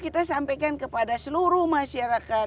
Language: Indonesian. kita sampaikan kepada seluruh masyarakat